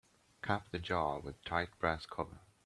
Cap the jar with a tight brass cover.